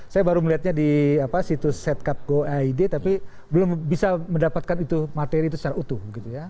saya baru melihatnya di situs setcap go id tapi belum bisa mendapatkan itu materi itu secara utuh